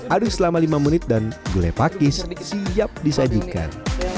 aduk selama lima menit dan gulai pakis siap disajikan